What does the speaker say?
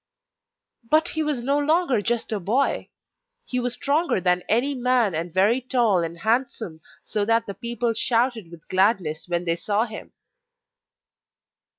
But he was no longer just a boy! He was stronger than any man and very tall and handsome, so that the people shouted with gladness when they saw him.